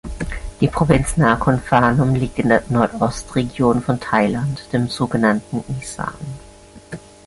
Die Provinz Nakhon Phanom liegt in der Nordostregion von Thailand, dem so genannten Isan.